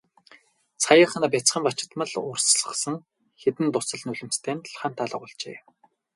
Саяын нь бяцхан бачимдал урсгасан хэдэн дусал нулимстай нь хамт алга болжээ.